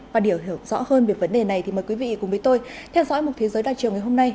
và để hiểu rõ hơn về vấn đề này thì mời quý vị cùng với tôi theo dõi một thế giới đa chiều ngày hôm nay